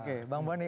oke bang boni